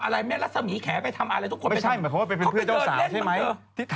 ร่วมกันไง